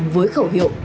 với khẩu hiệu